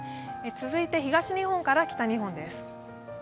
続いて東日本から北日本です。